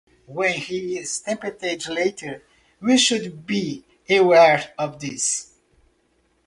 When he is tempted later, we should be aware of this.